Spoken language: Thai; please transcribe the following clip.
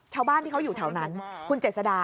ชาวบ้านที่เขาอยู่แถวนั้นคุณเจษดา